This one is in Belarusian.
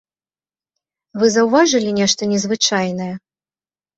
Вы заўважылі нешта незвычайнае?